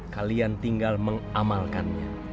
kalian tinggal mengamalkannya